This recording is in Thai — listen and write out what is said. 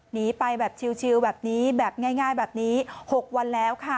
หนีไปแบบชิลแบบนี้แบบง่ายแบบนี้๖วันแล้วค่ะ